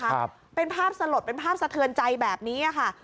ครับเป็นภาพสลดเป็นภาพสะเทือนใจแบบนี้อ่ะค่ะ